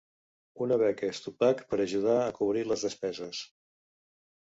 Una beca Stupak per ajudar a cobrir les despeses.